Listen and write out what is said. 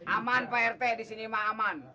aman pak rt disini mah aman